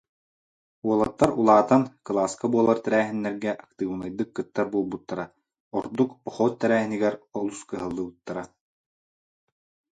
Уолаттар улаатан, кылааска буолар тэрээһиннэргэ актыыбынайдык кыттар буолбуттара, ордук похуот тэрээһинигэр олус кыһаллыбыттара